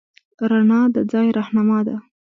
رڼا د ځای رهنما ده.